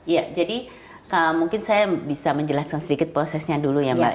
ya jadi mungkin saya bisa menjelaskan sedikit prosesnya dulu ya mbak